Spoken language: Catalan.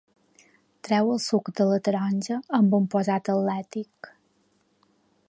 Treu el suc de la taronja amb un posat atlètic.